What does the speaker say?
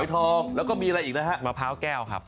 ทองแล้วก็มีอะไรอีกนะฮะมะพร้าวแก้วครับ